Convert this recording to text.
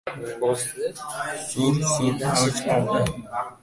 Sur-sur avj oldi.